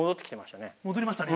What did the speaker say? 戻りましたね